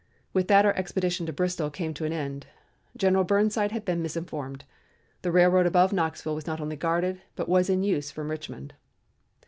With that our expedition to Bristol came to an end. General Burnside had been misinformed. The railroad above Knoxville was not only guarded but was in use from Richmond.